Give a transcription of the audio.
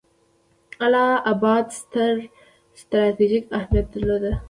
اله اباد ستر ستراتیژیک اهمیت درلود.